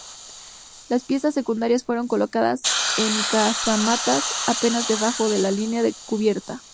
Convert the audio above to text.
Las piezas secundarias fueron colocadas en casamatas apenas debajo de la línea de cubierta.